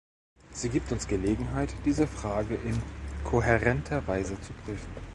Sie gibt uns Gelegenheit, diese Frage in kohärenter Weise zu prüfen.